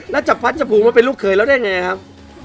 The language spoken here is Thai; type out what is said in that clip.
แล้วจะพัดจะผูกมาเป็นลูกเขยแล้วได้ไงครับ